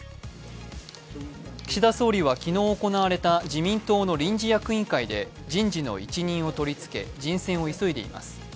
岸田総理は昨日行われた自民党の臨時役員会で人事の一任を取り付け、人選を急いでいます。